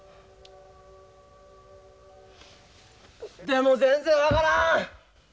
でも全然分からん。